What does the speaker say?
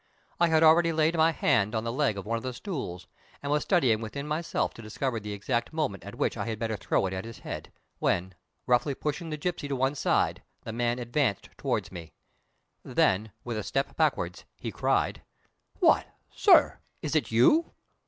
I had already laid my hand on the leg of one of the stools, and was studying within myself to discover the exact moment at which I had better throw it at his head, when, roughly pushing the gipsy to one side, the man advanced toward me. Then with a step backward he cried: "What, sir! Is it you?"